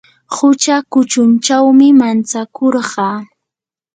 qucha kuchunchawmi mantsakurqaa.